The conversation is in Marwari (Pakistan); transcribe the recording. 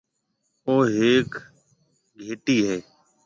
او هيَڪ گھيَََٽِي هيَ۔